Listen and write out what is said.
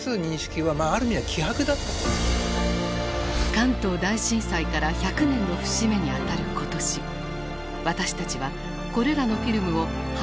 関東大震災から１００年の節目にあたる今年私たちはこれらのフィルムを８Ｋ高精細化。